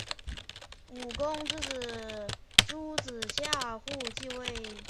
武公之子邾子夏父继位。